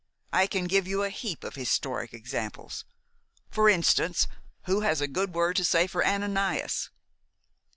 I can give you a heap of historic examples. For instance, who has a good word to say for Ananias?"